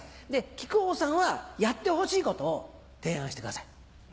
木久扇さんはやってほしいことを提案してください。